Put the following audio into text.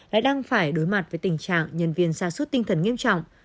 lại đang phải đối mặt với tình trạng nhân viên xa suốt tinh thần nghiêm trọng